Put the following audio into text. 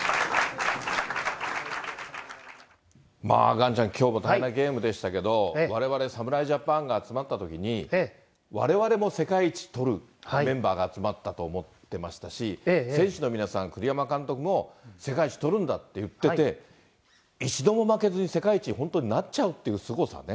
岩ちゃん、きょうも大変なゲームでしたけど、われわれ、侍ジャパンが集まったときに、われわれも世界一取るメンバーが集まったと思ってましたし、選手の皆さん、栗山監督も世界一取るんだって言ってて、一度も負けずに世界一に本当になっちゃうっていうすごさね。